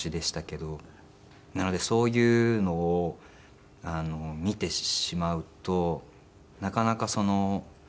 なのでそういうのを見てしまうとなかなか。